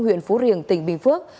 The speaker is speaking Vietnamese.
huyện phú riềng tỉnh bình phước